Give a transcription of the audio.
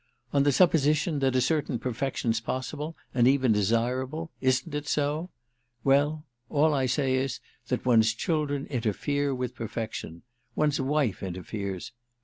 "On the supposition that a certain perfection's possible and even desirable—isn't it so? Well, all I say is that one's children interfere with perfection. One's wife interferes.